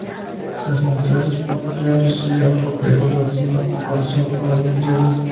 Sus ascensos posteriores recibieron poca divulgación en comparación con los anteriores.